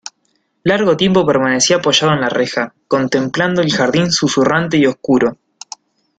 largo tiempo permanecí apoyado en la reja, contemplando el jardín susurrante y oscuro.